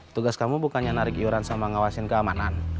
tugas kamu bukannya narik iuran sama ngawasin keamanan